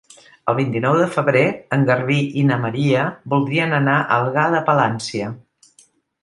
El vint-i-nou de febrer en Garbí i na Maria voldrien anar a Algar de Palància.